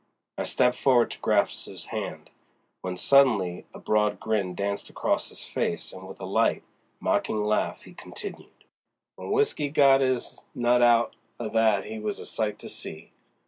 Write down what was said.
I stepped forward to grasp his hand, when suddenly a broad grin danced across his face and with a light, mocking laugh he continued: "W'en W'isky got 'is nut out o' that 'e was a sight to see!